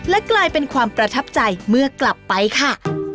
และกลายเป็นความประทับใจเมื่อกลับไปค่ะ